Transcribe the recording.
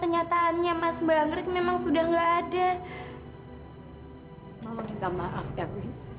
jangan pegang aku menunggu agrek